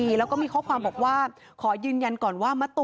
ทำไมถึงเอาเงินน้องไป๘ล้าน